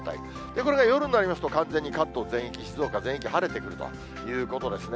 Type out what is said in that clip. これが夜になりますと、完全に関東全域、静岡全域晴れてくるということですね。